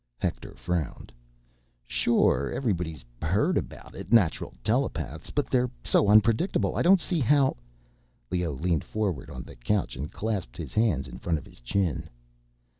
Hector frowned. "Sure, everybody's heard about it ... natural telepaths ... but they're so unpredictable ... I don't see how—" Leoh leaned forward on the couch and clasped his hands in front of his chin.